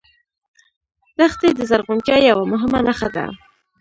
دښتې د زرغونتیا یوه مهمه نښه ده.